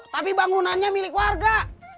tapi bangunannya milik warga